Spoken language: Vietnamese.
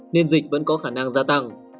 nên dịch vẫn có khả năng gia tăng